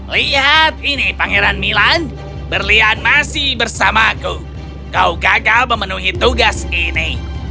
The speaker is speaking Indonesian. lihat ini pangeran milan berlian masih bersamaku kau gagal memenuhi tugas ini